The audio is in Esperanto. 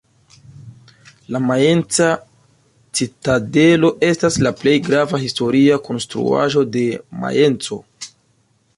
La Majenca citadelo estas la plej grava historia konstruaĵo de Majenco.